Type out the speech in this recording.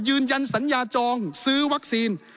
ยืนยันสัญญาจองซื้อวัคซีน